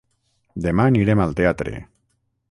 Demà anirem al teatre.